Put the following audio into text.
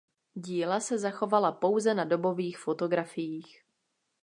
Díla se zachovala pouze na dobových fotografiích.